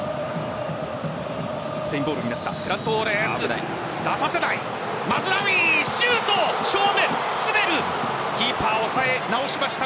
スペインボールになった。